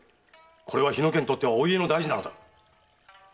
これは日野家にとってはお家の大事だ。